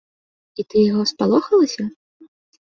І ты яго спалохалася?